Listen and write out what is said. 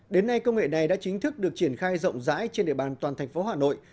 đến nay công nghệ này đã chính thức được triển khai rộng rãi trên địa bàn toàn thành phố hà nội